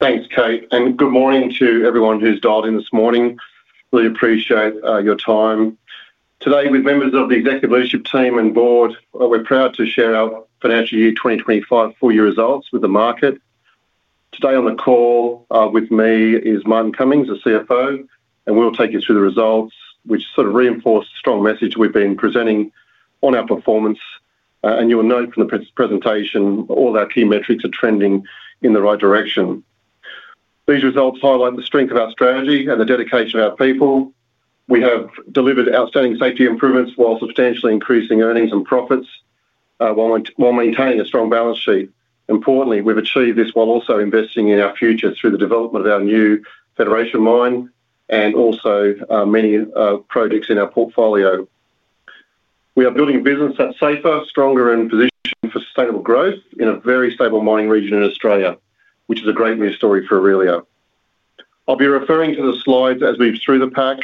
Thanks, Kate, and good morning to everyone who's dialed in this morning. Really appreciate your time. Today, with members of the Executive Leadership Team and Board, we're proud to share our financial year 2025 full-year results with the market. Today on the call with me is Martin Cummings, the CFO, and we'll take you through the results, which sort of reinforce the strong message we've been presenting on our performance. You'll note from the presentation all our key metrics are trending in the right direction. These results highlight the strength of our strategy and the dedication of our people. We have delivered outstanding safety improvements while substantially increasing earnings and profits, while maintaining a strong balance sheet. Importantly, we've achieved this while also investing in our future through the development of our new Federation mine and also many projects in our portfolio. We are building a business that's safer, stronger, and positioned for sustainable growth in a very stable mining region in Australia, which is a great news story for Aurelia. I'll be referring to the slides as we move through the pack.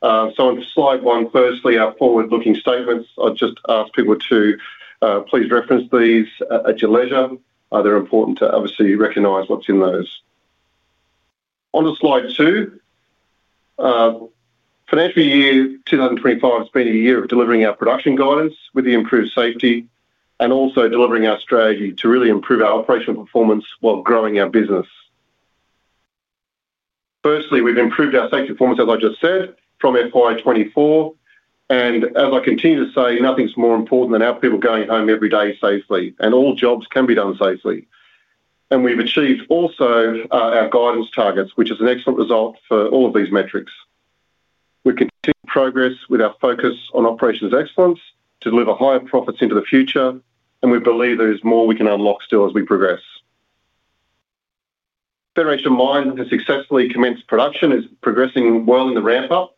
On slide one, firstly, our forward-looking statements. I'd just ask people to please reference these at your leisure. They're important to obviously recognize what's in those. On to slide two. Financial year 2025 has been a year of delivering our production guidance with the improved safety and also delivering our strategy to really improve our operational performance while growing our business. Firstly, we've improved our safety performance, as I just said, from FY 2024. As I continue to say, nothing's more important than our people going home every day safely, and all jobs can be done safely. We've achieved also our guidance targets, which is an excellent result for all of these metrics. We continue to progress with our focus on operations excellence to deliver higher profits into the future, and we believe there is more we can unlock still as we progress. Federation mine has successfully commenced production, is progressing well in the ramp-up,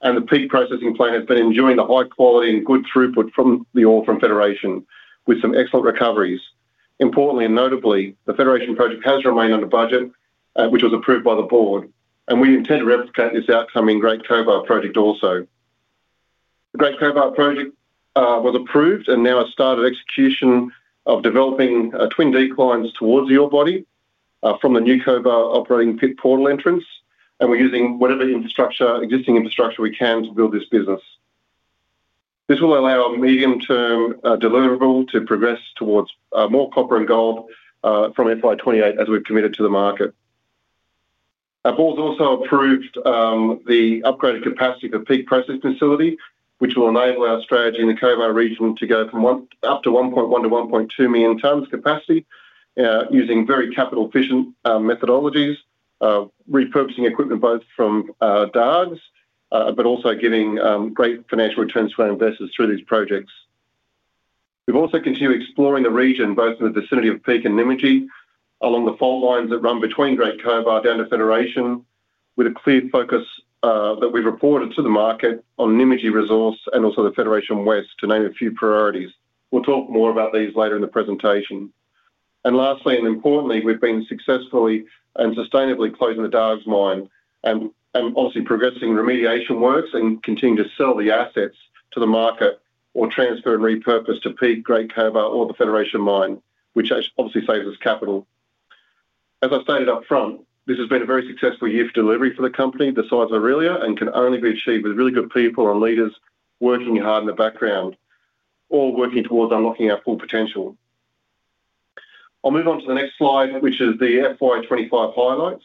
and the Peak processing plant has been enjoying the high quality and good throughput from the ore from Federation with some excellent recoveries. Importantly and notably, the Federation project has remained under budget, which was approved by the Board, and we intend to replicate this outcome in Great Cobar Project also. The Great Cobar Project was approved and now has started execution of developing twin declines towards the ore body from the new Cobar operating pit portal entrance, and we're using whatever infrastructure, existing infrastructure we can to build this business. This will allow a medium-term deliverable to progress towards more copper and gold from FY 2028 as we've committed to the market. Our board's also approved the upgraded capacity for the Peak processing facility, which will enable our strategy in the Cobar region to go from up to 1.1 million-1.2 million tons capacity using very capital-efficient methodologies, repurposing equipment both from Dargues, but also giving great financial returns to our investors through these projects. We've also continued exploring the region both in the vicinity of Peak and Nymagee along the fault lines that run between Great Cobar down to Federation with a clear focus that we've reported to the market on Nymagee resource and also the Federation West to name a few priorities. We'll talk more about these later in the presentation. Lastly, and importantly, we've been successfully and sustainably closing the Dargues mine and obviously progressing remediation works and continue to sell the assets to the market or transfer and repurpose to Peak, Great Cobar, or the Federation mine, which obviously saves us capital. As I stated up front, this has been a very successful year for delivery for the company, the size of Aurelia, and can only be achieved with really good people and leaders working hard in the background, all working towards unlocking our full potential. I'll move on to the next slide, which is the FY 2025 highlights.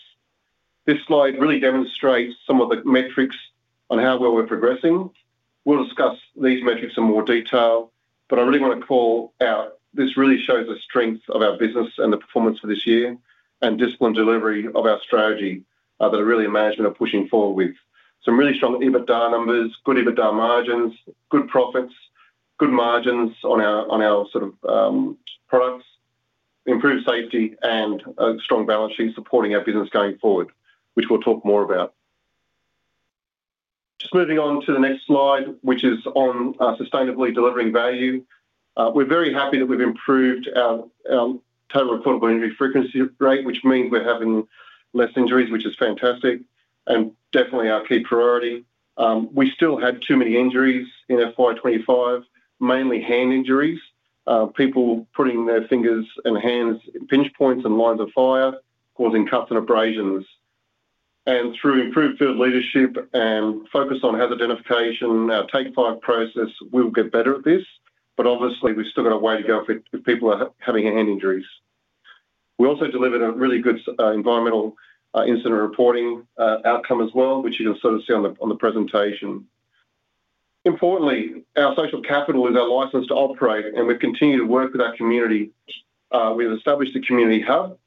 This slide really demonstrates some of the metrics on how well we're progressing. We'll discuss these metrics in more detail, but I really want to call out this really shows the strength of our business and the performance for this year and discipline delivery of our strategy that Aurelia management are pushing forward with. Some really strong EBITDA numbers, good EBITDA margins, good profits, good margins on our sort of products, improved safety, and a strong balance sheet supporting our business going forward, which we'll talk more about. Just moving on to the next slide, which is on sustainably delivering value. We're very happy that we've improved our total affordable injury frequency rate, which means we're having less injuries, which is fantastic and definitely our key priority. We still had too many injuries in FY 2025, mainly hand injuries, people putting their fingers and hands in pinch points and lines of fire, causing cuts and abrasions. Through improved field leadership and focus on hazard identification, our take-fire process, we will get better at this, but obviously we've still got a way to go if people are having hand injuries. We also delivered a really good environmental incident reporting outcome as well, which you can sort of see on the presentation. Importantly, our social capital is our license to operate, and we've continued to work with our community. We've established a community hub,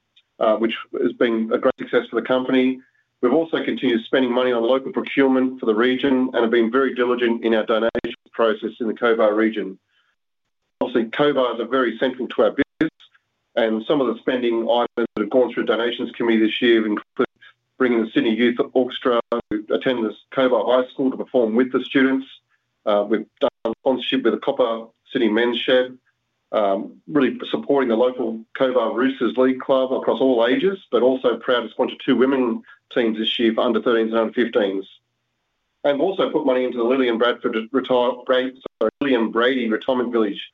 which has been a great success for the company. We've also continued spending money on local procurement for the region and have been very diligent in our donation process in the Cobar region. Obviously, Cobar is very central to our business, and some of the spending items that have gone through a donations committee this year have included bringing the Sydney Youth Orchestra to attend the Cobar High School to perform with the students. We've done sponsorship with the Copper City Men's Shade, really supporting the local Cobar Roosters League Club across all ages, but also proud to sponsor two women teams this year for under 13s and under 15s. We also put money into the Lillian Brady Retirement Village,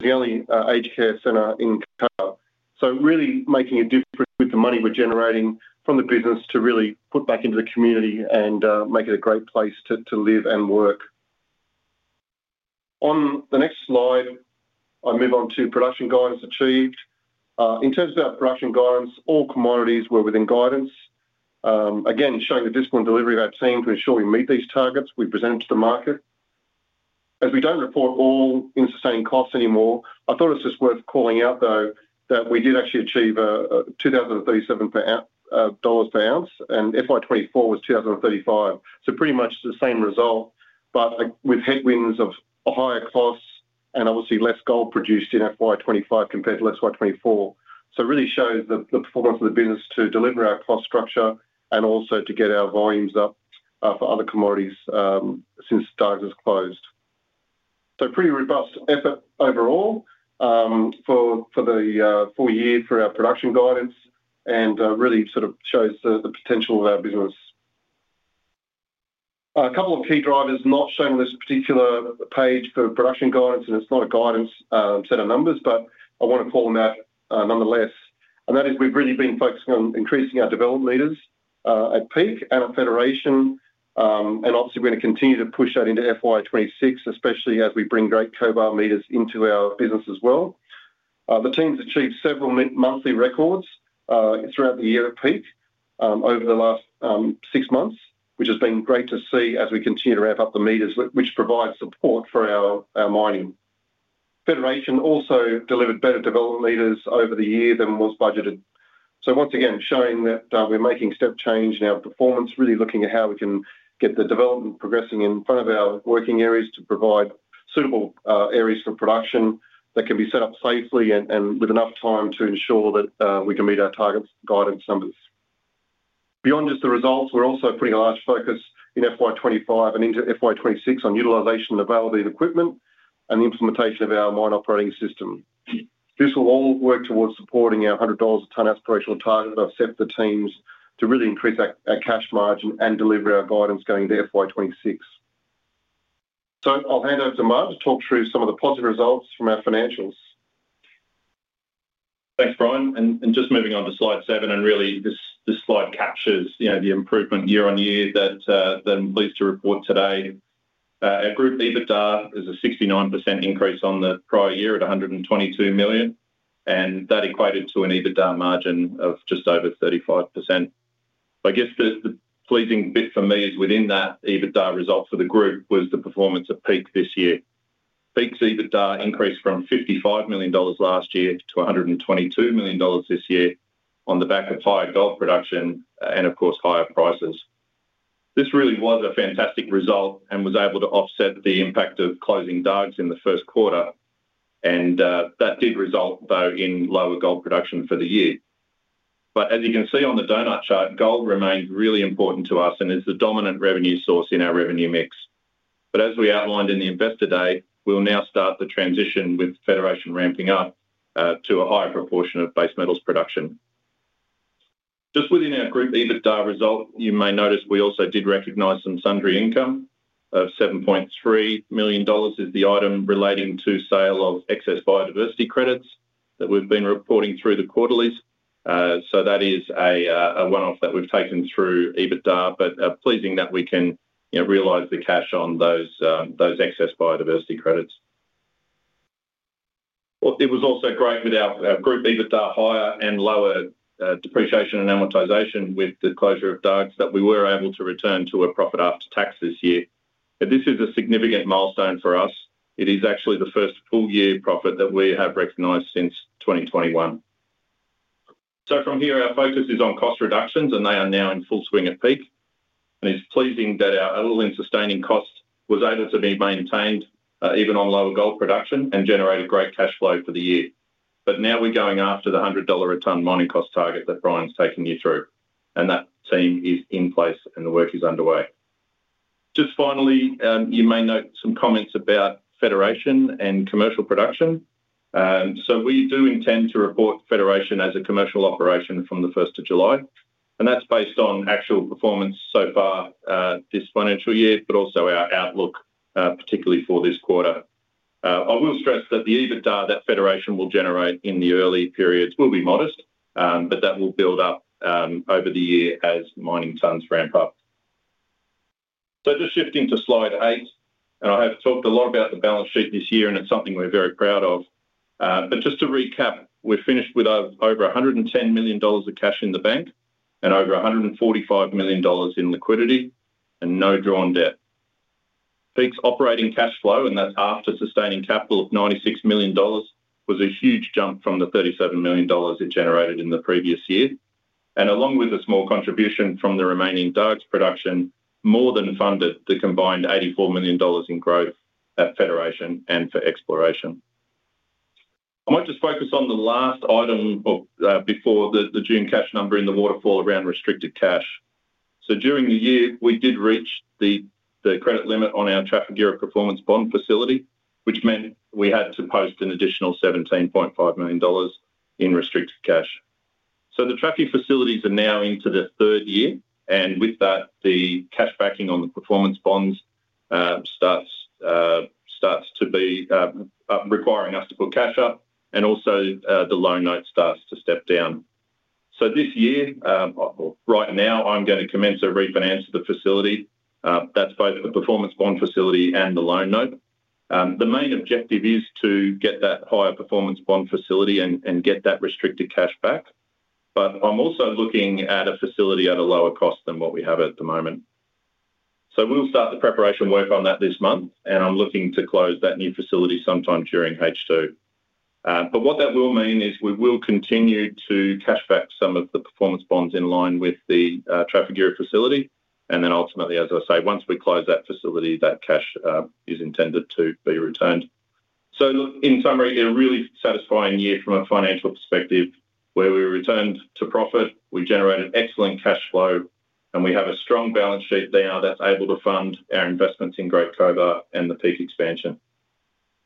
the only aged care center in Cobar. Really making a difference with the money we're generating from the business to really put back into the community and make it a great place to live and work. On the next slide, I move on to production guidance achieved. In terms of our production guidance, all commodities were within guidance. Again, showing the discipline delivery of our team to ensure we meet these targets we presented to the market. As we don't report all-in sustained costs anymore, I thought it's just worth calling out though that we did actually achieve a $2,037 per ounce and FY 2024 was $2,035. Pretty much the same result, but with headwinds of higher costs and obviously less gold produced in FY 2025 compared to FY 2024. This really shows the performance of the business to deliver our cost structure and also to get our volumes up for other commodities since Dargues has closed. Pretty robust effort overall for the full year for our production guidance and really sort of shows the potential of our business. A couple of key drivers not shown on this particular page for production guidance, and it's not a guidance set of numbers, but I want to call them out nonetheless. That is we've really been focusing on increasing our development meters at Peak and at Federation. Obviously, we're going to continue to push that into FY 2026, especially as we bring Great Cobar meters into our business as well. The team's achieved several monthly records throughout the year at Peak over the last six months, which has been great to see as we continue to ramp up the meters, which provide support for our mining. Federation also delivered better development meters over the year than was budgeted, once again showing that we're making a step change in our performance, really looking at how we can get the development progressing in front of our working areas to provide suitable areas for production that can be set up safely and with enough time to ensure that we can meet our targets guidance numbers. Beyond just the results, we're also putting a large focus in FY 2025 and into FY 2026 on utilization and availability of equipment and the implementation of our mine operating system. This will all work towards supporting our $100 a ton aspirational target that I've set for teams to really increase our cash margin and deliver our guidance going to FY 2026. I'll hand over to Martin to talk through some of the positive results from our financials. Thanks, Bryan. Moving on to slide seven, this slide captures the improvement year on year that then leads to report today. Our group EBITDA is a 69% increase on the prior year at $122 million, and that equated to an EBITDA margin of just over 35%. I guess the pleasing bit for me within that EBITDA result for the group was the performance at Peak this year. Peak's EBITDA increased from $55 million last year to $122 million this year on the back of higher gold production and of course higher prices. This really was a fantastic result and was able to offset the impact of closing Dargues in the first quarter. That did result in lower gold production for the year. As you can see on the donut chart, gold remains really important to us and is the dominant revenue source in our revenue mix. As we outlined in the Investor Day, we'll now start the transition with Federation ramping up to a higher proportion of base metals production. Within our group EBITDA result, you may notice we also did recognize some sundry income of $7.3 million, which is the item relating to sale of excess biodiversity credits that we've been reporting through the quarterlies. That is a one-off that we've taken through EBITDA, but pleasing that we can realize the cash on those excess biodiversity credits. It was also great with our group EBITDA higher and lower depreciation and amortization with the closure of Dargues that we were able to return to a profit after tax this year. This is a significant milestone for us. It is actually the first full year profit that we have recognized since 2021. From here, our focus is on cost reductions and they are now in full swing at Peak. It is pleasing that our all-in sustaining cost was able to be maintained even on lower gold production and generate a great cash flow for the year. Now we're going after the $100 a ton mining cost target that Bryan's taken you through. That team is in place and the work is underway. Finally, you may note some comments about Federation and commercial production. We do intend to report Federation as a commercial operation from the 1st of July. That's based on actual performance so far this financial year, but also our outlook, particularly for this quarter. I will stress that the EBITDA that Federation will generate in the early periods will be modest, but that will build up over the year as mining tons ramp up. Just shifting to slide eight, I have talked a lot about the balance sheet this year and it's something we're very proud of. Just to recap, we're finished with over $110 million of cash in the bank and over $145 million in liquidity and no drawn debt. Peak's operating cash flow, and that's after sustaining capital of $96 million, was a huge jump from the $37 million it generated in the previous year. Along with a small contribution from the remaining Dargues production, it more than funded the combined $84 million in growth at Federation and for exploration. I might just focus on the last item before the June cash number in the waterfall around restricted cash. During the year, we did reach the credit limit on our Trafigura performance bond facility, which meant we had to post an additional $17.5 million in restricted cash. The Trafigura facilities are now into the third year, and with that, the cash backing on the performance bonds starts to be requiring us to put cash up and also the loan note starts to step down. This year, right now, I'm going to commence a refinance of the facility. That's both the performance bond facility and the loan note. The main objective is to get that higher performance bond facility and get that restricted cash back. I'm also looking at a facility at a lower cost than what we have at the moment. We'll start the preparation work on that this month, and I'm looking to close that new facility sometime during H2. What that will mean is we will continue to cash back some of the performance bonds in line with the Trafigura facility. Ultimately, as I say, once we close that facility, that cash is intended to be returned. In summary, a really satisfying year from a financial perspective where we returned to profit, we generated excellent cash flow, and we have a strong balance sheet now that's able to fund our investments in Great Cobar and the Peak expansion.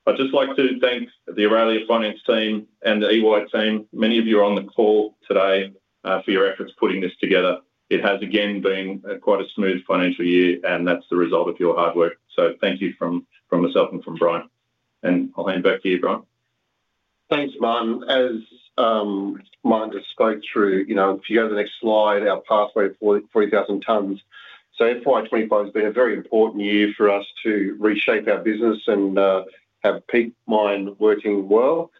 I'd just like to thank the Aurelia Finance team and the EY team. Many of you are on the call today for your efforts putting this together. It has again been quite a smooth financial year, and that's the result of your hard work. Thank you from myself and from Bryan. I'll hand back to you, Bryan. Thanks, Martin. As Martin just spoke through, if you go to the next slide, our pathway of 40,000 tons. FY 2025 has been a very important year for us to reshape our business and have Peak working well,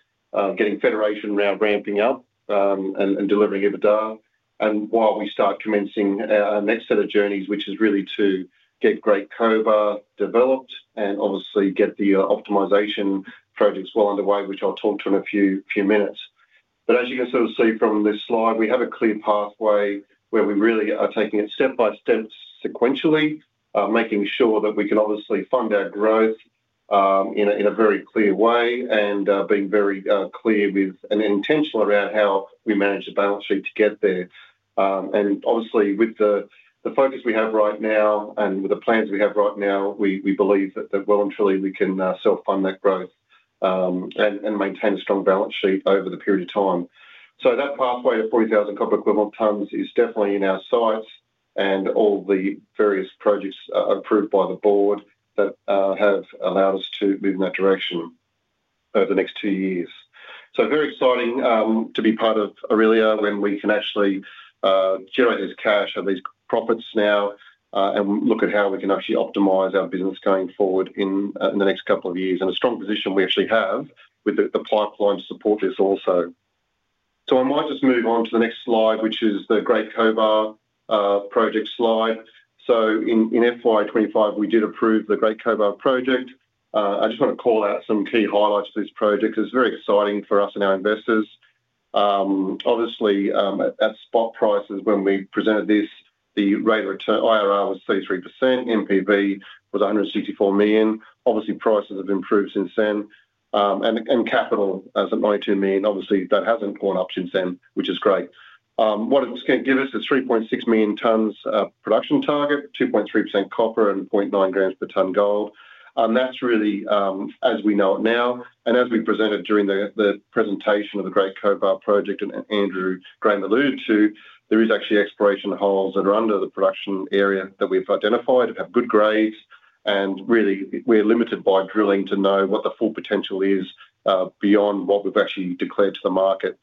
getting Federation now ramping up and delivering EBITDA. While we start commencing our next set of journeys, which is really to get Great Cobar developed and obviously get the optimization projects well underway, which I'll talk to in a few minutes. As you can sort of see from this slide, we have a clear pathway where we really are taking it step by step sequentially, making sure that we can obviously fund our growth in a very clear way and being very clear with an intention around how we manage the balance sheet to get there. With the focus we have right now and with the plans we have right now, we believe that we will and fully we can self-fund that growth and maintain a strong balance sheet over the period of time. That pathway to 40,000 copper equivalent tons is definitely in our sights and all the various projects approved by the board have allowed us to move in that direction over the next two years. Very exciting to be part of Aurelia when we can actually generate this cash, have these profits now, and look at how we can actually optimize our business going forward in the next couple of years and a strong position we actually have with the pipeline to support this also. I might just move on to the next slide, which is the Great Cobar Project slide. In FY 2025, we did approve the Great Cobar Project. I just want to call out some key highlights for this project. It's very exciting for us and our investors. At spot prices when we presented this, the rate of return IRR was 33%, NPV was $164 million. Prices have improved since then. Capital is at $92 million. That hasn't gone up since then, which is great. What it's going to give us is 3.6 million tons production target, 2.3% copper and 0.9 g per ton gold. That's really as we know it now. As we presented during the presentation of the Great Cobar Project and Andrew alluded to, there is actually exploration holes that are under the production area that we've identified, have good grades, and really we're limited by drilling to know what the full potential is beyond what we've actually declared to the market.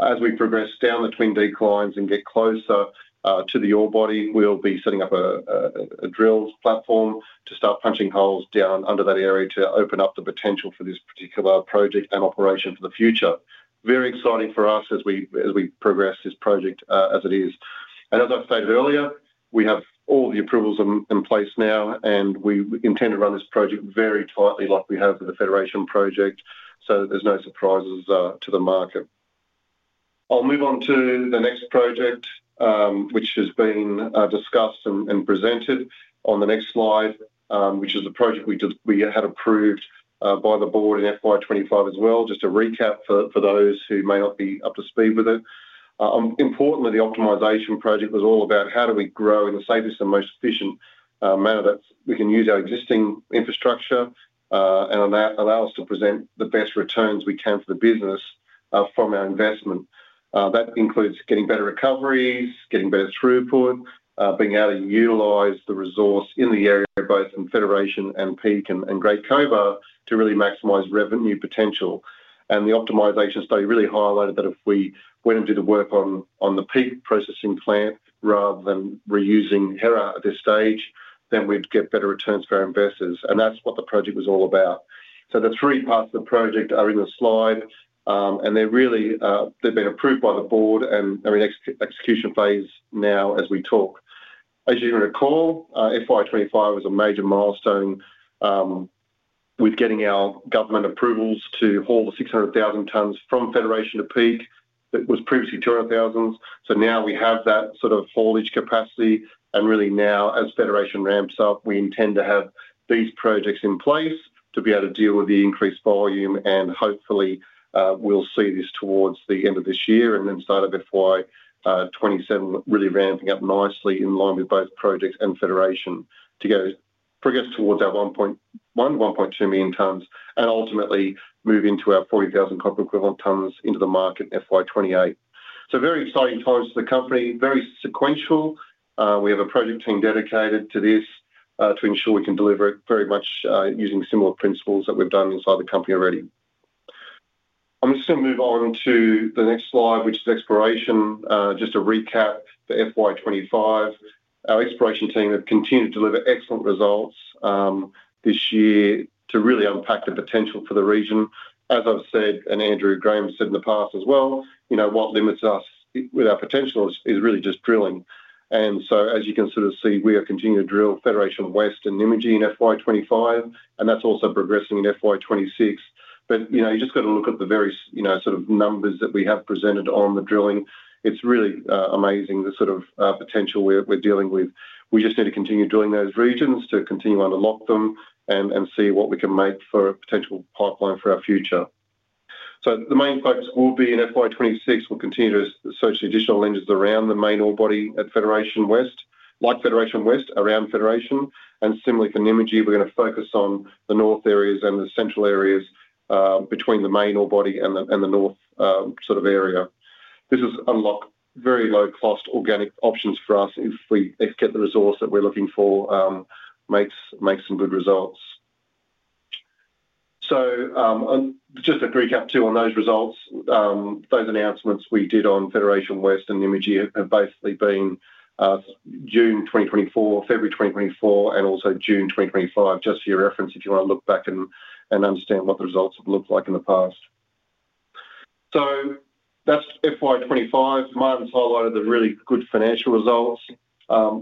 As we progress down the twin declines and get closer to the ore body, we'll be setting up a drill platform to start punching holes down under that area to open up the potential for this particular project and operation for the future. Very exciting for us as we progress this project as it is. As I stated earlier, we have all the approvals in place now and we intend to run this project very tightly like we have with the Federation project so that there's no surprises to the market. I'll move on to the next project, which has been discussed and presented on the next slide, which is a project we had approved by the board in FY 2025 as well, just to recap for those who may not be up to speed with it. Importantly, the optimisation project was all about how do we grow in the safest and most efficient manner that we can use our existing infrastructure and allow us to present the best returns we can for the business from our investment. That includes getting better recoveries, getting better throughput, being able to utilise the resource in the area of both Federation and Peak and Great Cobar to really maximise revenue potential. The optimisation study really highlighted that if we went and did the work on the Peak processing plant rather than reusing Hera at this stage, then we'd get better returns for our investors. That's what the project was all about. The three parts of the project are in the slide and they've really been approved by the board and are in execution phase now as we talk. As you can recall, FY 2025 was a major milestone with getting our government approvals to haul the 600,000 tons from Federation to Peak. It was previously 200,000. Now we have that sort of haulage capacity and really now as Federation ramps up, we intend to have these projects in place to be able to deal with the increased volume and hopefully we'll see this towards the end of this year and then start of FY 2027 really ramping up nicely in line with both projects and Federation to progress towards our 1.1 million-1.2 million tons and ultimately move into our 40,000 copper equivalent tons into the market in FY 2028. Very exciting times for the company, very sequential. We have a project team dedicated to this to ensure we can deliver it very much using similar principles that we've done inside the company already. I'm just going to move on to the next slide, which is exploration. Just to recap for FY 2025, our exploration team have continued to deliver excellent results this year to really unpack the potential for the region. As I've said, and Andrew Graham said in the past as well, you know what limits us with our potential is really just drilling. As you can sort of see, we are continuing to drill Federation West and Nymagee in FY 2025, and that's also progressing in FY 2026. You just got to look at the various sort of numbers that we have presented on the drilling. It's really amazing the sort of potential we're dealing with. We just need to continue drilling those regions to continue to unlock them and see what we can make for a potential pipeline for our future. The main focus will be in FY 2026, we'll continue to search the additional lenses around the main ore body at Federation West, like Federation West around Federation, and similarly for Nymagee we're going to focus on the north areas and the central areas between the main ore body and the north sort of area. This is a very low-cost organic option for us if we get the resource that we're looking for, makes some good results. Just to recap too on those results, those announcements we did on Federation West and Nymagee have basically been June 2024, February 2024, and also June 2025, just for your reference if you want to look back and understand what the results have looked like in the past. That's FY 2025. Martin's highlighted the really good financial results.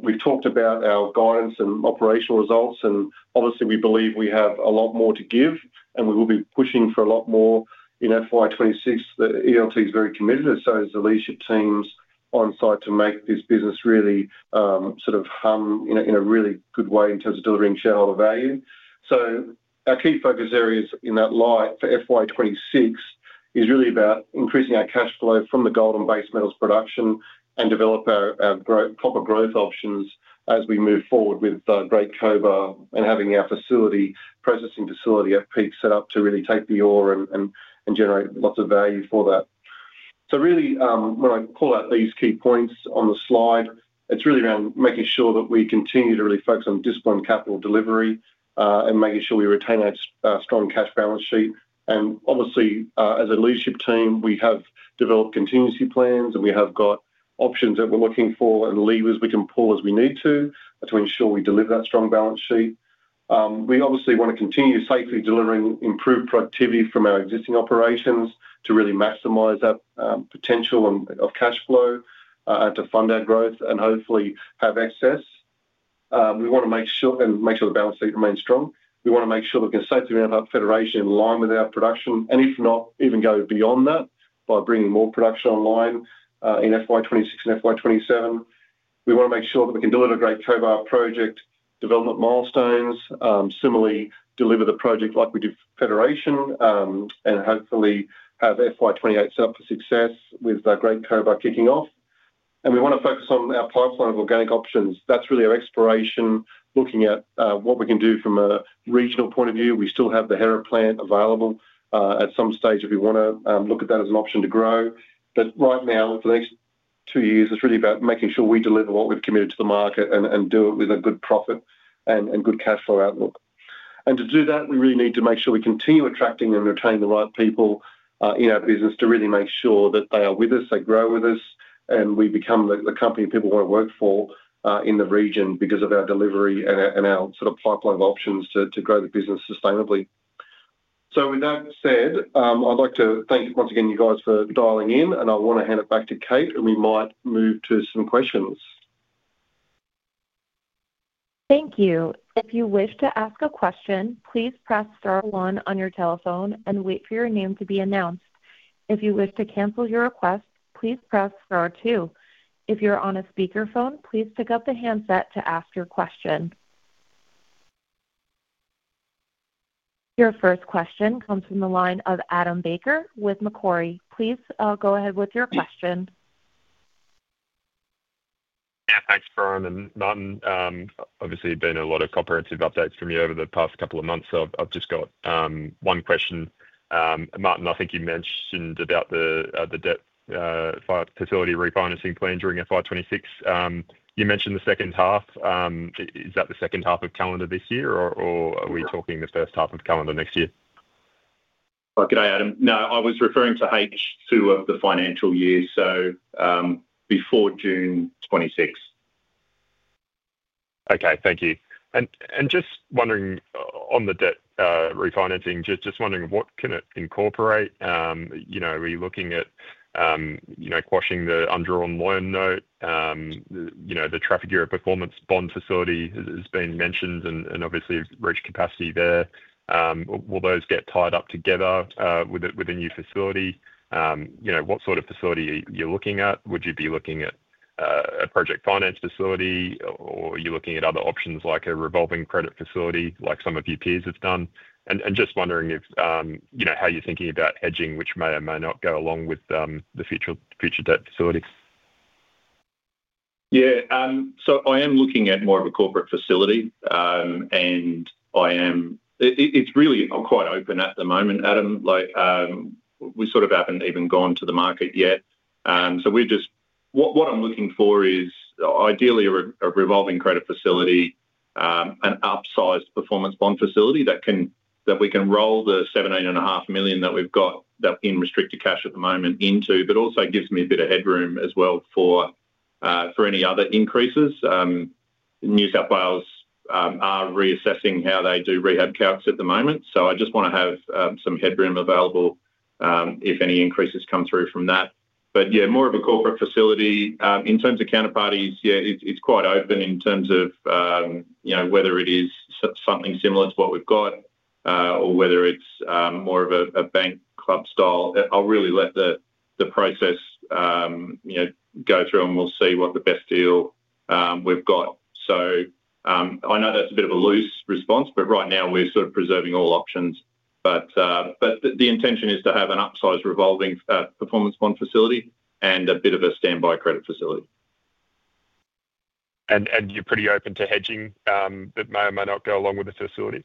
We've talked about our guidance and operational results, and obviously we believe we have a lot more to give, and we will be pushing for a lot more in FY 2026. The ELT is very committed, as so is the leadership teams on site to make this business really sort of hum in a really good way in terms of delivering shareholder value. Our key focus areas in that light for FY 2026 is really about increasing our cash flow from the gold and base metals production and develop our copper growth options as we move forward with Great Cobar and having our processing facility at Peak set up to really take the ore and generate lots of value for that. When I call out these key points on the slide, it's really around making sure that we continue to really focus on discipline capital delivery and making sure we retain a strong cash balance sheet. Obviously, as a leadership team, we have developed contingency plans and we have got options that we're looking for and levers we can pull as we need to ensure we deliver that strong balance sheet. We obviously want to continue safely delivering improved productivity from our existing operations to really maximize that potential of cash flow and to fund our growth and hopefully have excess. We want to make sure the balance sheet remains strong. We want to make sure that we can safely ramp up Federation in line with our production, and if not, even go beyond that by bringing more production online in FY 2026 and FY 2027. We want to make sure that we can deliver a Great Cobar Project development milestones, similarly deliver the project like we did for Federation, and hopefully have FY 2028 set up for success with Great Cobar kicking off. We want to focus on our pipeline of organic options. That's really our exploration, looking at what we can do from a regional point of view. We still have the Hera plant available at some stage if we want to look at that as an option to grow. Right now, for the next two years, it's really about making sure we deliver what we've committed to the market and do it with a good profit and good cash flow outlook. To do that, we really need to make sure we continue attracting and retaining the right people in our business to really make sure that they are with us, they grow with us, and we become the company people want to work for in the region because of our delivery and our sort of pipeline of options to grow the business sustainably. With that said, I'd like to thank once again you guys for dialing in, and I want to hand it back to Kate, and we might move to some questions. Thank you. If you wish to ask a question, please press Star, one on your telephone and wait for your name to be announced. If you wish to cancel your request, please press Star, two. If you're on a speaker phone, please pick up the handset to ask your question. Your first question comes from the line of Adam Baker with Macquarie. Please go ahead with your question. Yeah, thanks, Martin. Obviously, been a lot of comprehensive updates from you over the past couple of months. I've just got one question. Martin, I think you mentioned about the debt facility refinancing plan during FY 2026. You mentioned the second half. Is that the second half of calendar this year, or are we talking the first half of calendar next year? Good day, Adam. No, I was referring to H2 of the financial year, so before June 2026. Okay, thank you. Just wondering on the debt refinancing, what can it incorporate? Are we looking at quashing the undrawn loan note? The Trafigura performance bond facility has been mentioned and obviously reached capacity there. Will those get tied up together with a new facility? What sort of facility are you looking at? Would you be looking at a project finance facility, or are you looking at other options like a revolving credit facility like some of your peers have done? Just wondering how you're thinking about hedging, which may or may not go along with the future debt facility. Yeah, I am looking at more of a corporate facility, and it's really, I'm quite open at the moment, Adam. We sort of haven't even gone to the market yet. What I'm looking for is ideally a revolving credit facility, an upsized performance bond facility that we can roll the $7.8 million that we've got in restricted cash at the moment into, but also gives me a bit of headroom as well for any other increases. New South Wales are reassessing how they do rehab counts at the moment. I just want to have some headroom available if any increases come through from that. More of a corporate facility. In terms of counterparties, it's quite open in terms of whether it is something similar to what we've got or whether it's more of a bank club style. I'll really let the process go through and we'll see what the best deal we've got. I know that's a bit of a loose response, but right now we're preserving all options. The intention is to have an upsized revolving performance bond facility and a bit of a standby credit facility. You're pretty open to hedging that may or may not go along with the facility?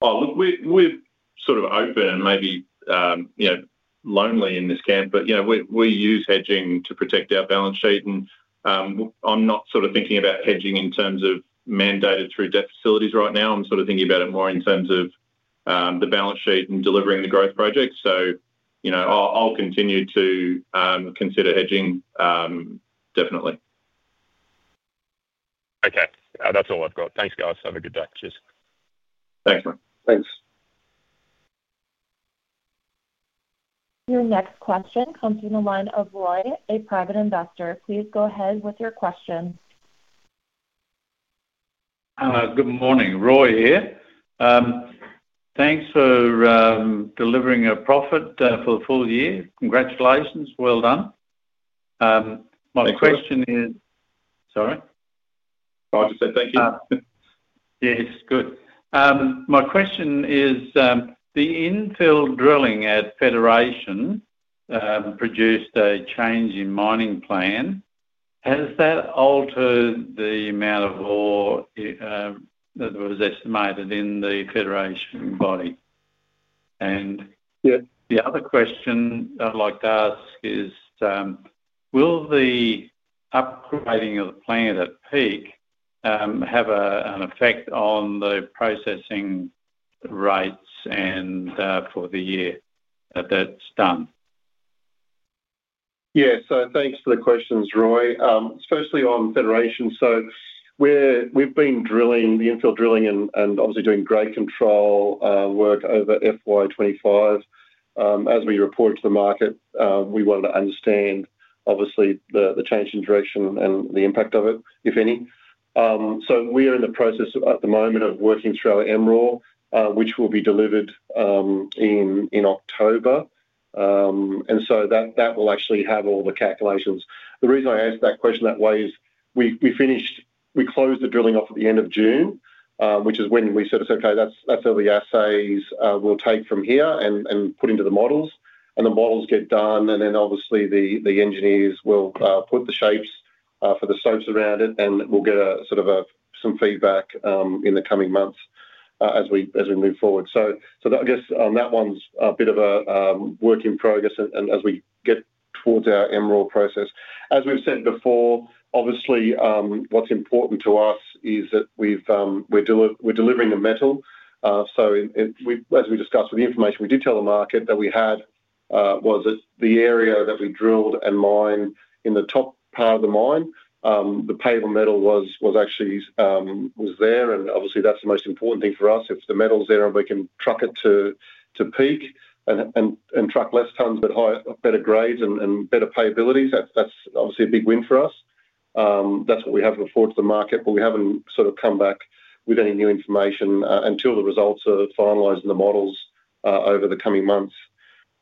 We're sort of open and maybe, you know, lonely in this camp, but you know, we use hedging to protect our balance sheet. I'm not sort of thinking about hedging in terms of mandated through debt facilities right now. I'm sort of thinking about it more in terms of the balance sheet and delivering the growth project. I'll continue to consider hedging definitely. Okay, that's all I've got. Thanks, guys. Have a good day. Cheers. Thanks, mate. Thanks. Your next question comes from the line of Roy, a private investor. Please go ahead with your question. Good morning, Roy here. Thanks for delivering a profit for the full year. Congratulations. My question is, sorry. I just said thank you. Yeah, it's good. My question is, the infill drilling at Federation produced a change in mining plan. Has that altered the amount of ore that was estimated in the Federation body? The other question I'd like to ask is, will the upgrading of the plant at Peak have an effect on the processing rates for the year that's done? Yeah, so thanks for the questions, Roy, especially on Federation. We've been drilling the infill drilling and obviously doing grade control work over FY 2025. As we reported to the market, we wanted to understand obviously the change in direction and the impact of it, if any. We are in the process at the moment of working through our MROR, which will be delivered in October. That will actually have all the calculations. The reason I asked that question that way is we finished, we closed the drilling off at the end of June, which is when we said, okay, that's all the assays we'll take from here and put into the models. The models get done, and then obviously the engineers will put the shapes for the slopes around it, and we'll get some feedback in the coming months as we move forward. On that one it's a bit of a work in progress as we get towards our MROR process. As we've said before, what's important to us is that we're delivering the metal. As we discussed with the information we did tell the market that we had was that the area that we drilled and mined in the top part of the mine, the payable metal was actually there. That's the most important thing for us. If the metal's there and we can truck it to Peak and truck less tons, but higher, better grades and better payabilities, that's a big win for us. That's what we have reported to the market, but we haven't come back with any new information until the results are finalized in the models over the coming months.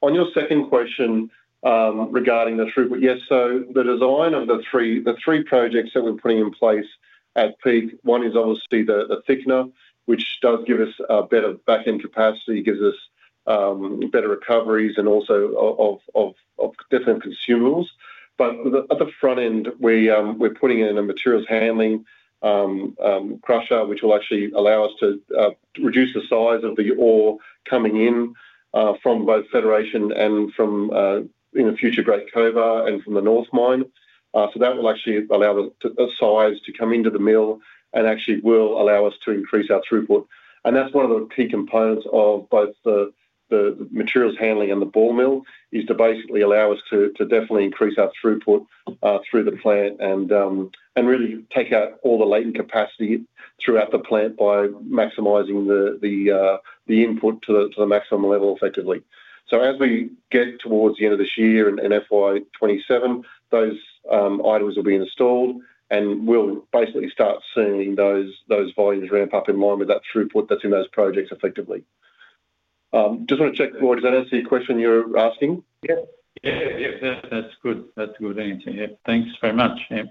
On your second question regarding the throughput, yes, the design of the three projects that we're putting in place at Peak, one is the thickener, which does give us a better backend capacity, gives us better recoveries and also of different consumables. At the front end, we're putting in a materials handling crusher, which will actually allow us to reduce the size of the ore coming in from both Federation and from in the future Great Cobar and from the North mine. That will actually allow the size to come into the mill and will allow us to increase our throughput. That's one of the key components of both the materials handling and the bore mill, to basically allow us to definitely increase our throughput through the plant and really take out all the latent capacity throughout the plant by maximizing the input to the maximum level effectively. As we get towards the end of this year and FY 2027, those items will be installed and we'll start seeing those volumes ramp up in line with that throughput that's in those projects effectively. Just want to check, Roy, does that answer your question you're asking? Yeah, that's good. That's a good answer. Yeah, thanks very much. I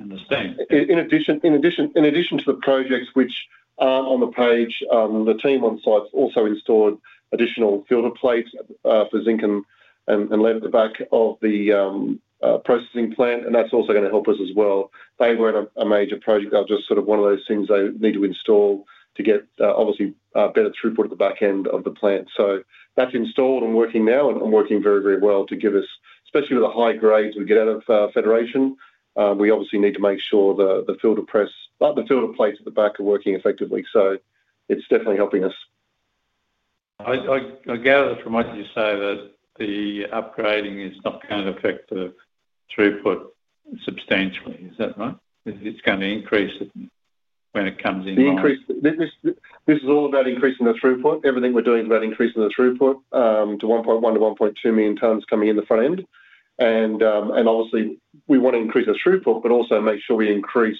understand. In addition to the projects which are on the page, the team on site also installed additional filter plates for zinc and lead at the back of the processing plant, and that's also going to help us as well. They weren't a major project. Just sort of one of those things they need to install to get obviously better throughput at the back end of the plant. That's installed and working now and working very, very well to give us, especially with the high grades we get out of Federation, we obviously need to make sure the filter plates at the back are working effectively. It's definitely helping us. I gather from what you say that the upgrading is not going to affect the throughput substantially. Is that right? Is this going to increase it when it comes in? This is all about increasing the throughput. Everything we're doing is about increasing the throughput to 1.1 million-1.2 million tons coming in the front end. Obviously, we want to increase the throughput, but also make sure we increase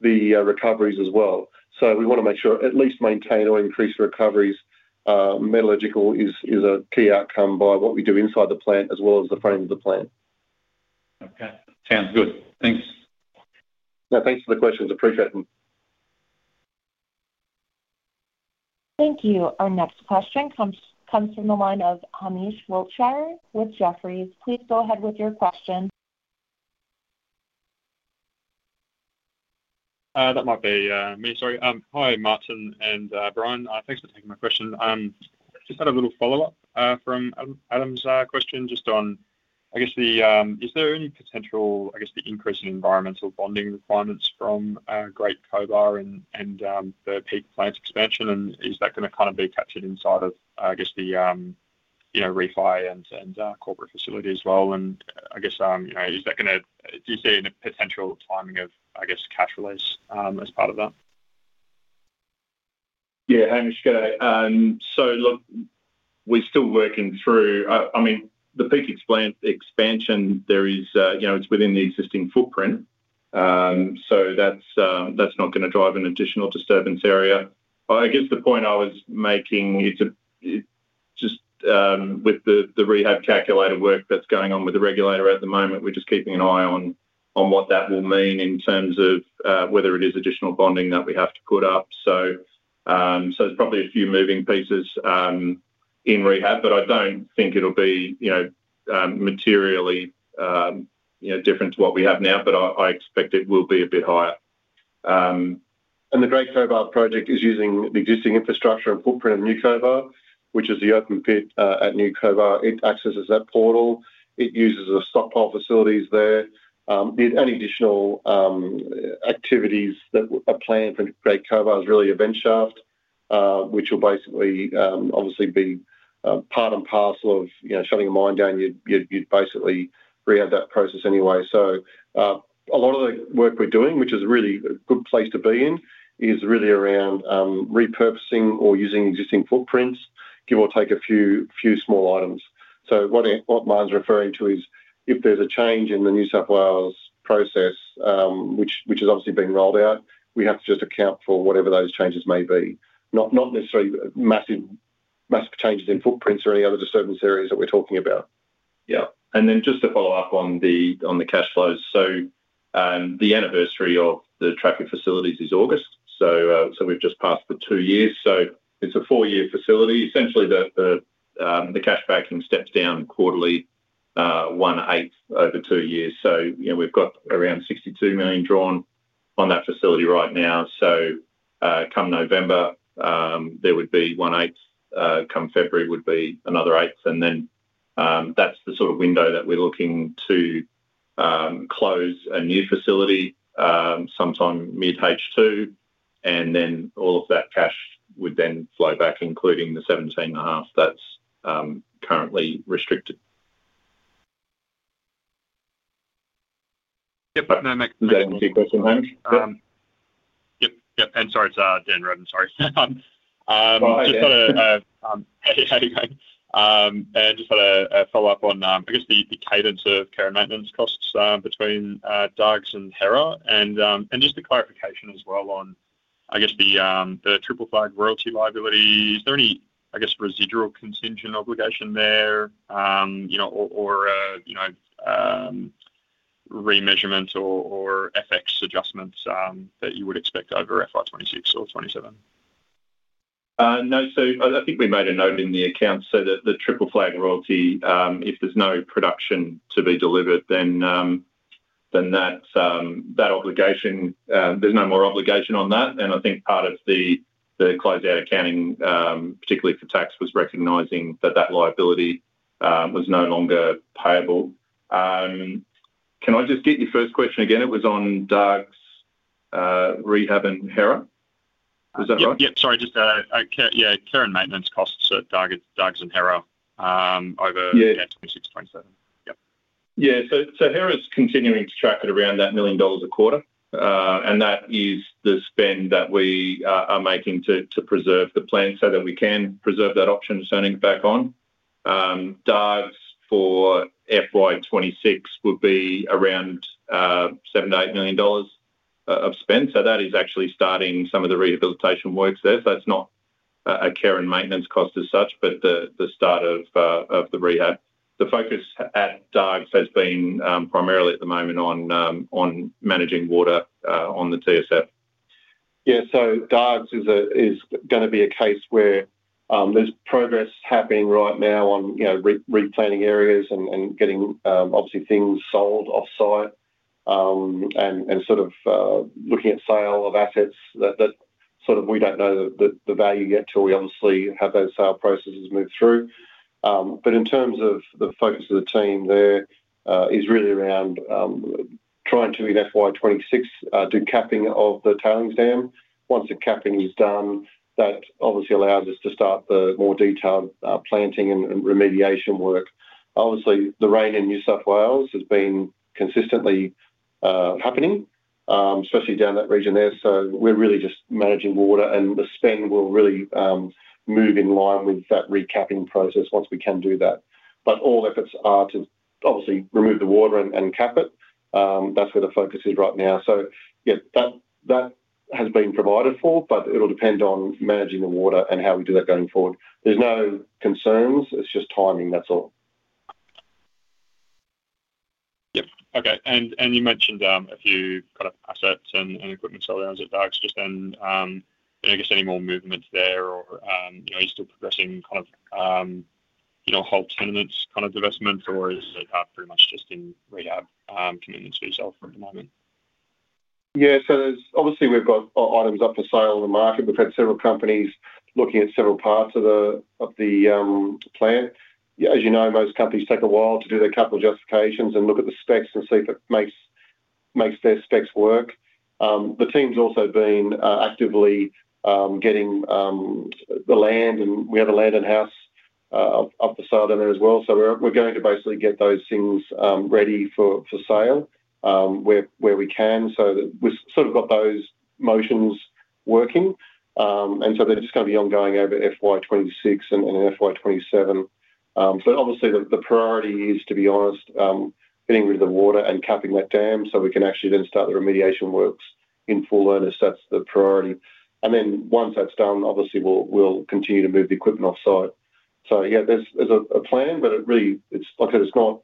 the recoveries as well. We want to make sure at least maintain or increase the recoveries. Metallurgical is a key outcome by what we do inside the plant as well as the front end of the plant. Okay, sounds good. Thanks. Yeah, thanks for the questions. Appreciate them. Thank you. Our next question comes from the line of Hamish Wiltshire with Jefferies. Please go ahead with your question. Hi, Martin and Bryan. Thanks for taking my question. I just had a little follow-up from Adam's question just on, I guess, is there any potential, I guess, the increase in environmental bonding requirements from Great Cobar and the Peak plant expansion? Is that going to be captured inside of, I guess, the refi and corporate facility as well? I guess, do you see it in a potential timing of, I guess, cash release as part of that? Yeah, Hamish, look, we're still working through, I mean, the Peak expansion is within the existing footprint. That's not going to drive an additional disturbance area. I guess the point I was making is just with the rehab calculator work that's going on with the regulator at the moment, we're just keeping an eye on what that will mean in terms of whether it is additional bonding that we have to put up. There's probably a few moving pieces in rehab, but I don't think it'll be materially different to what we have now, but I expect it will be a bit higher. The Great Cobar Project is using the existing infrastructure and footprint of New Cobar, which is the open pit at New Cobar. It accesses that portal and uses the stockpile facilities there. The only additional activities that are planned for Great Cobar are really a vent shaft, which will basically obviously be part and parcel of shutting a mine down. You'd basically rehab that process anyway. A lot of the work we're doing, which is really a good place to be in, is really around repurposing or using existing footprints, give or take a few small items. What Martin's referring to is if there's a change in the New South Wales process, which is obviously being rolled out, we have to just account for whatever those changes may be, not necessarily massive changes in footprints or any other disturbance areas that we're talking about. Yeah, and then just to follow up on the cash flows, the anniversary of the Trafigura facilities is August. We've just passed the two years. It's a four-year facility. Essentially, the cash backing steps down quarterly 1/8 over two years. We've got around $62 million drawn on that facility right now. Come November, there would be 1/8. Come February, it would be another 1/8. That's the sort of window that we're looking to close a new facility sometime mid-H2, and then all of that cash would then flow back, including the $17.5 million that's currently restricted. Yeah, that makes sense. Is that your question, Hamish? Yep, yep. Sorry, it's Dan Rodden, sorry. I just got a, how are you going? I just got a follow-up on, I guess, the cadence of care and maintenance costs between Dargues and Hera. Just a clarification as well on, I guess, the triple flag royalty liability. Is there any, I guess, residual contingent obligation there, or remeasurements or FX adjustments that you would expect over FY 2026 or 2027? No, I think we made a note in the accounts so that the triple flag royalty, if there's no production to be delivered, then that obligation, there's no more obligation on that. I think part of the closed-out accounting, particularly for tax, was recognizing that that liability was no longer payable. Can I just get your first question again? It was on Dargues, rehab, and Hera. Was that right? Sorry, just care and maintenance costs at Dargues and Hera over FY 2026, 2027. Yeah, so Hera is continuing to track at around $1 million a quarter. That is the spend that we are making to preserve the plant so that we can preserve that option of turning it back on. Dargues for FY 2026 would be around $7 million-$8 million of spend. That is actually starting some of the rehabilitation works there. That is not a care and maintenance cost as such, but the start of the rehab. The focus at Dargues has been primarily at the moment on managing water on the TSF. Yeah, so Dargues is going to be a case where there's progress happening right now on replanning areas and getting obviously things sold off-site. Sort of looking at sale of assets that we don't know the value yet till we obviously have those sale processes move through. In terms of the focus of the team there, it's really around trying to, in FY 2026, do capping of the tailings dam. Once the capping is done, that obviously allows us to start the more detailed planting and remediation work. Obviously, the rain in New South Wales has been consistently happening, especially down that region there. We're really just managing water and the spend will really move in line with that recapping process once we can do that. All efforts are to obviously remove the water and cap it. That's where the focus is right now. That has been provided for, but it'll depend on managing the water and how we do that going forward. There's no concerns. It's just timing, that's all. Okay. You mentioned a few kind of assets and equipment sale rounds at Dargues. I guess any more movement there or is it still progressing kind of whole tenements kind of investments or is it pretty much just in rehab commitments for yourself at the moment? Yeah, so obviously we've got items up for sale in the market. We've had several companies looking at several parts of the plant. As you know, most companies take a while to do their capital justifications and look at the specs and see if it makes their specs work. The team's also been actively getting the land, and we have land in-house up for sale down there as well. We're going to basically get those things ready for sale where we can. We've got those motions working, and they're just going to be ongoing over FY 2026 and FY 2027. Obviously, the priority is, to be honest, getting rid of the water and capping that dam so we can actually then start the remediation works in full earnest. That's the priority. Once that's done, we'll continue to move the equipment off-site. There's a plan, but like I said, it's not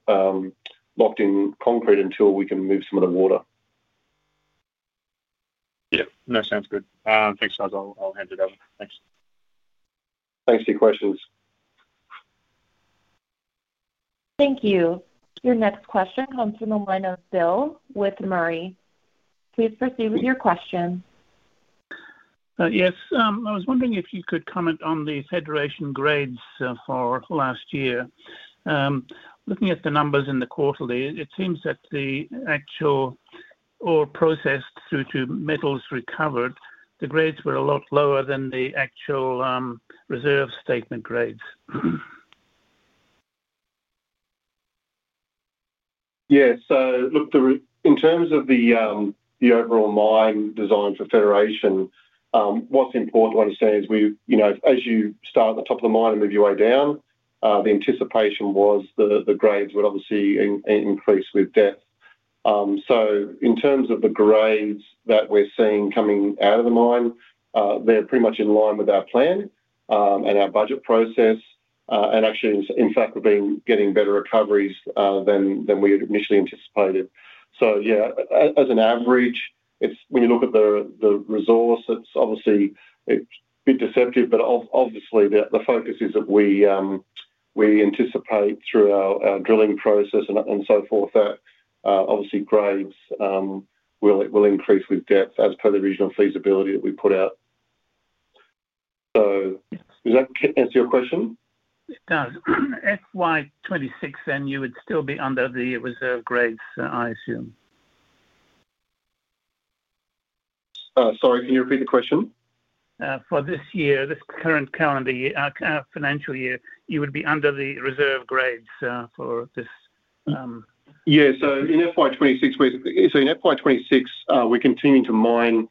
locked in concrete until we can move some of the water. Yeah, no, sounds good. Thanks, guys. I'll hand it over. Thanks. Thanks for your questions. Thank you. Your next question comes from the line of Bill with Murray. Please proceed with your question. Yes, I was wondering if you could comment on the Federation grades for last year. Looking at the numbers in the quarterly, it seems that the actual ore processed through to metals recovered, the grades were a lot lower than the actual reserve statement grades. Yeah, so look, in terms of the overall mine design for Federation, what's important to understand is, you know, as you start at the top of the mine and move your way down, the anticipation was the grades would obviously increase with depth. In terms of the grades that we're seeing coming out of the mine, they're pretty much in line with our plan and our budget process. Actually, in fact, we've been getting better recoveries than we had initially anticipated. As an average, when you look at the resource, it's obviously a bit deceptive, but obviously the focus is that we anticipate through our drilling process and so forth that grades will increase with depth as per the regional feasibility that we put out. Does that answer your question? It does. FY 2026, then you would still be under the reserve grades, I assume. Sorry, can you repeat the question? For this year, this current calendar year, our financial year, you would be under the reserve grades for this. Yeah, so in FY 2026, we're continuing to mine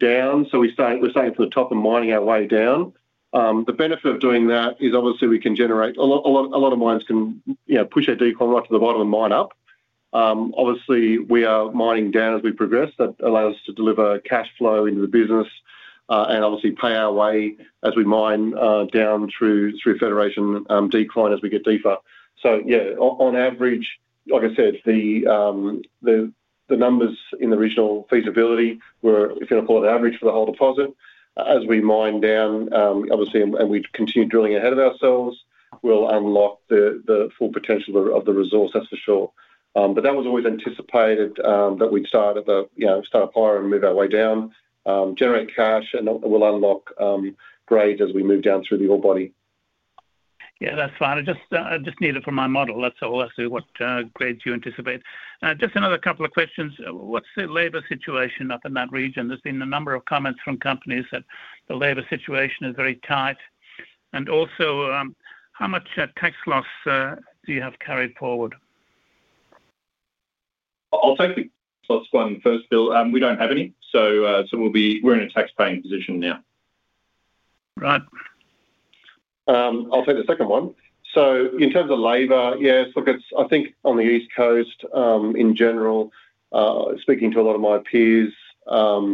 down. We're staying at the top and mining our way down. The benefit of doing that is obviously we can generate a lot. A lot of mines can, you know, push a decline right to the bottom and mine up. Obviously, we are mining down as we progress. That allows us to deliver cash flow into the business and obviously pay our way as we mine down through Federation decline as we get deeper. On average, like I said, the numbers in the regional feasibility were, if you want to call it average for the whole deposit, as we mine down and we continue drilling ahead of ourselves, we'll unlock the full potential of the resource, that's for sure. That was always anticipated, that we'd start up higher and move our way down, generate cash, and we'll unlock grades as we move down through the ore body. Yeah, that's fine. I just need it for my model. That's all. That's what grades you anticipate. Just another couple of questions. What's the labor situation up in that region? There's been a number of comments from companies that the labor situation is very tight. Also, how much tax loss do you have carried forward? Tax loss one, first bill, we don't have any. We're in a tax-paying position now. Right. I'll take the second one. In terms of labor, yes, look, I think on the East Coast in general, speaking to a lot of my peers, the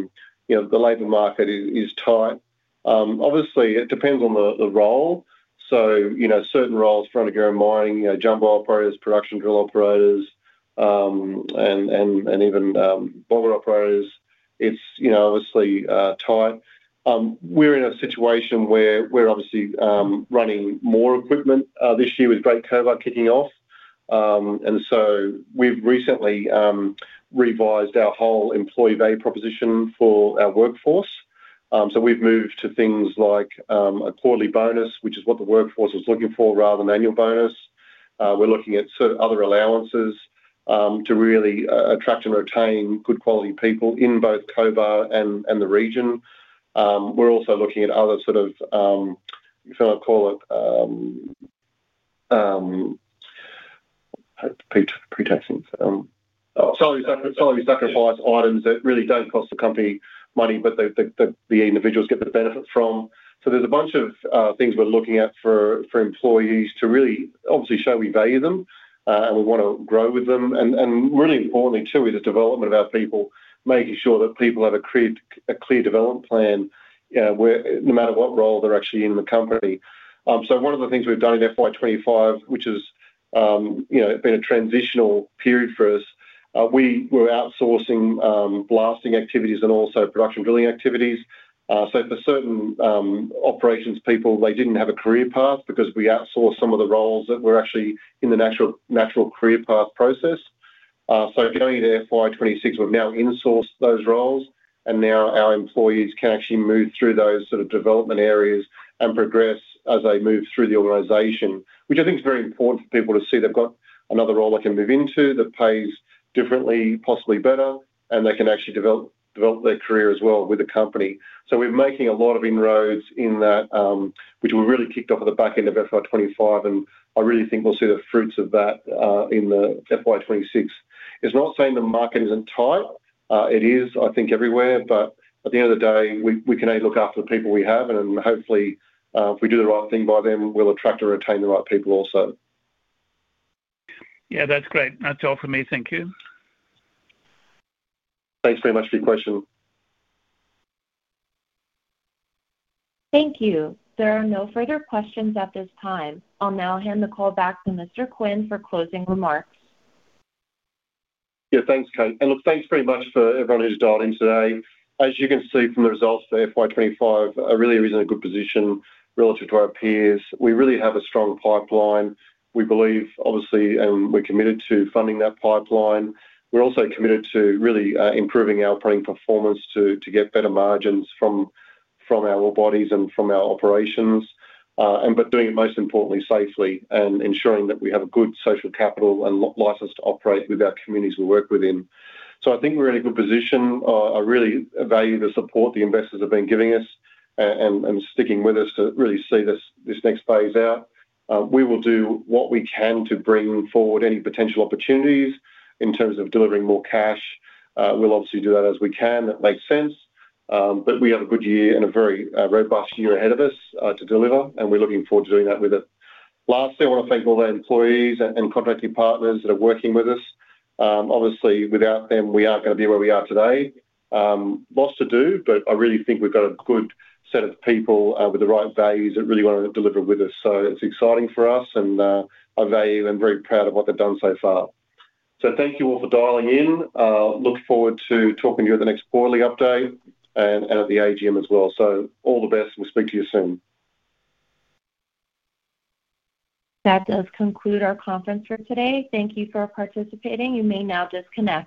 labor market is tight. Obviously, it depends on the role. Certain roles for underground mining, jumbo operators, production drill operators, and even bogger operators, it's obviously tight. We're in a situation where we're running more equipment this year with Great Cobar kicking off. We've recently revised our whole employee value proposition for our workforce. We've moved to things like a quarterly bonus, which is what the workforce was looking for, rather than an annual bonus. We're looking at other allowances to really attract and retain good quality people in both Cobar and the region. We're also looking at other, if I might call it, pre-taxing, some of the sacrifice items that really don't cost the company money, but the individuals get the benefit from. There are a bunch of things we're looking at for employees to really show we value them and we want to grow with them. Really importantly too is the development of our people, making sure that people have a clear development plan, no matter what role they're actually in the company. One of the things we've done in FY 2025, which has been a transitional period for us, we were outsourcing blasting activities and also production drilling activities. For certain operations people, they didn't have a career path because we outsourced some of the roles that were actually in the natural career path process. Going into FY 2026, we've now insourced those roles and now our employees can actually move through those development areas and progress as they move through the organization, which I think is very important for people to see. They've got another role they can move into that pays differently, possibly better, and they can actually develop their career as well with the company. We're making a lot of inroads in that, which we really kicked off at the back end of FY 2025, and I really think we'll see the fruits of that in FY 2026. It's not saying the market isn't tight. It is, I think, everywhere, but at the end of the day, we can only look after the people we have, and hopefully if we do the right thing by them, we'll attract and retain the right people also. Yeah, that's great. That's all for me. Thank you. Thanks very much for your question. Thank you. There are no further questions at this time. I'll now hand the call back to Mr. Quinn for closing remarks. Yeah, thanks, Kate. Thanks very much for everyone who's dialed in today. As you can see from the results for FY 2025, it really is in a good position relative to our peers. We really have a strong pipeline. We believe, obviously, and we're committed to funding that pipeline. We're also committed to really improving our operating performance to get better margins from our ore bodies and from our operations, but doing it most importantly safely and ensuring that we have good social capital and license to operate with our communities we work within. I think we're in a good position. I really value the support the investors have been giving us and sticking with us to really see this next phase out. We will do what we can to bring forward any potential opportunities in terms of delivering more cash. We'll obviously do that as we can. That makes sense. We have a good year and a very robust year ahead of us to deliver, and we're looking forward to doing that with it. Lastly, I want to thank all our employees and contracting partners that are working with us. Obviously, without them, we aren't going to be where we are today. Lots to do, but I really think we've got a good set of people with the right values that really want to deliver with us. It's exciting for us, and I value and I'm very proud of what they've done so far. Thank you all for dialing in. Look forward to talking to you at the next quarterly update and at the AGM as well. All the best, and we'll speak to you soon. That does conclude our conference for today. Thank you for participating. You may now disconnect.